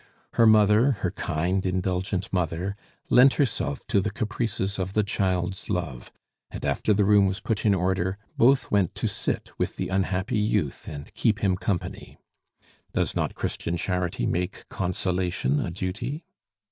Her mother, her kind, indulgent mother, lent herself to the caprices of the child's love, and after the room was put in order, both went to sit with the unhappy youth and keep him company. Does not Christian charity make consolation a duty?